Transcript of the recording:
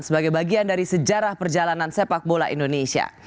sebagai bagian dari sejarah perjalanan sepak bola indonesia